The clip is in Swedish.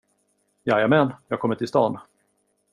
Jajamän, jag kommer till stan.